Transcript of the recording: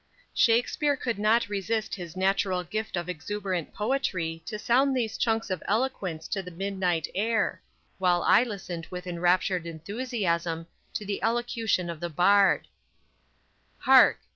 Shakspere could not resist his natural gift of exuberant poetry to sound these chunks of eloquence to the midnight air, while I listened with enraptured enthusiasm to the elocution of the Bard: _Hark!